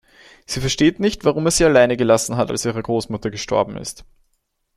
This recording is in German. Sie versteht nicht, warum er sie alleine gelassen hat, als ihre Großmutter gestorben ist.